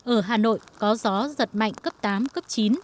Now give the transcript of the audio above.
ở hà nội có gió giật mạnh cấp tám cấp chín